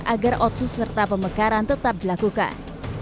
agar otsus serta pemekaran tetap dilakukan